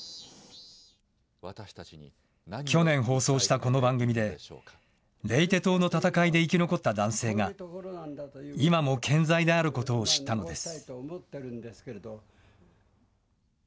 去年放送したこの番組で、レイテ島の戦いで生き残った男性が、今も健在であることを知ったのです。